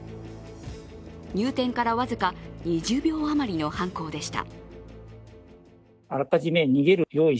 入店から僅か２０秒余りの犯行でした。